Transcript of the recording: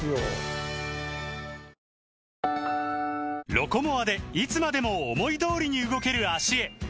「ロコモア」でいつまでも思い通りに動ける脚へ！